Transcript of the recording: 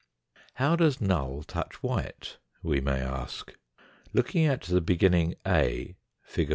/ How does null touch white, we may ask ? Looking at the beginning A, fig.